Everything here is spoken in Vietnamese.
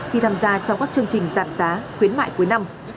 khi tham gia trong các chương trình giảm giá khuyến mại cuối năm